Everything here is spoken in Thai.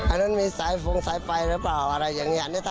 อันนั้นมีสายฟงสายไฟหรือเปล่าอะไรอย่างนี้